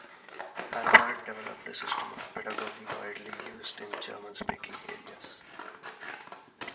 Herbart developed a system of pedagogy widely used in German-speaking areas.